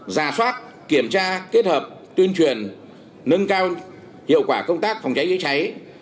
giả soát kiểm tra kết hợp tuyên truyền nâng cao hiệu quả công tác phòng cháy chữa cháy